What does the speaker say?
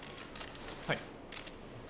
はい。